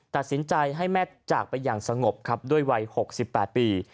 ตัดสินใจให้แม่จากไปอย่างสงบครับด้วยวัย๖๘ปี